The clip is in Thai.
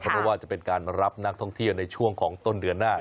เพราะว่าจะเป็นการรับนักท่องเที่ยวในช่วงของต้นเดือนหน้า